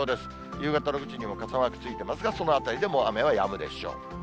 夕方６時にも傘マークついてますが、そのあたりでもう雨はやむでしょう。